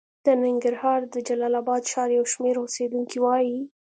د ننګرهار د جلال اباد ښار یو شمېر اوسېدونکي وايي